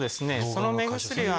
その目薬は。